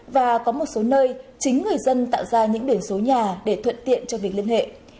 và có một số nơi chính người dân tạo ra những biển số nhà để thuận tiện cho việc liên hệ